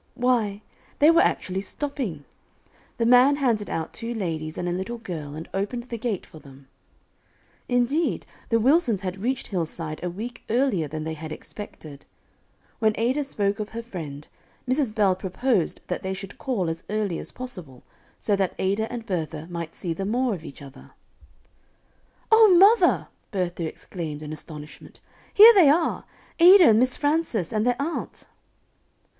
Why, they were actually stopping; the man handed out two ladies and a little girl, and opened the gate for them. Indeed, the Wilsons had reached Hillside a week earlier than they had expected. When Ada spoke of her friend, Mrs. Bell proposed that they should call as early as possible, so that Ada and Bertha might see the more of each other. [Illustration: "O mother! here they are,"] "O, mother!" Bertha exclaimed, in astonishment, "here they are Ada and Miss Frances, and their aunt."